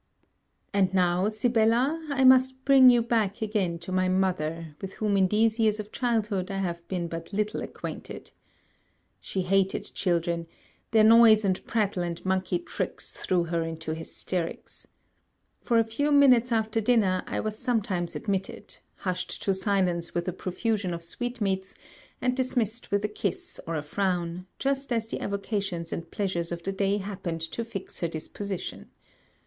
And now, Sibella, I must bring you back again to my mother, with whom in these years of childhood I have been but little acquainted. She hated children; their noise and prattle and monkey tricks threw her into hysterics. For a few minutes after dinner, I was sometimes admitted, hushed to silence with a profusion of sweetmeats, and dismissed with a kiss or a frown, just as the avocations and pleasures of the day happened to fix her disposition.